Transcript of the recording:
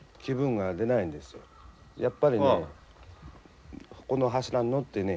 やっぱりねこの柱に乗ってね